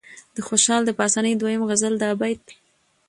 د خوشال د پاسني دويم غزل دا بيت